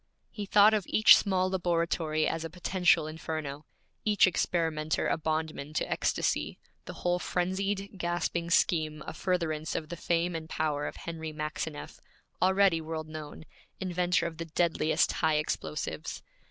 He thought of each small laboratory as a potential inferno, each experimenter a bondman to ecstasy, the whole frenzied, gasping scheme a furtherance of the fame and power of Henry Maxineff, already world known, inventor of the deadliest high explosives.